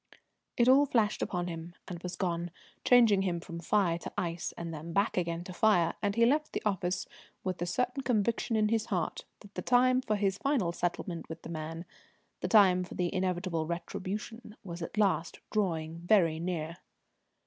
It all flashed upon him and was gone, changing him from fire to ice, and then back again to fire; and he left the office with the certain conviction in his heart that the time for his final settlement with the man, the time for the inevitable retribution, was at last drawing very near.